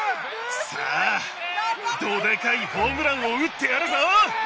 さあどでかいホームランを打ってやるぞ！